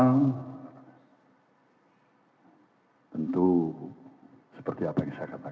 tentu seperti apa yang saya katakan